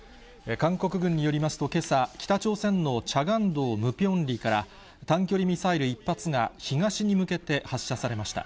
韓国軍によりますと、けさ、北朝鮮のチャガン道ムピョン里から、短距離ミサイル１発が東に向けて発射されました。